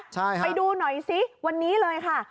ใช่ค่ะไปดูหน่อยซิวันนี้เลยค่ะ